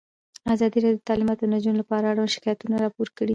ازادي راډیو د تعلیمات د نجونو لپاره اړوند شکایتونه راپور کړي.